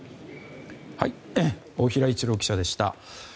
大平一郎記者でした。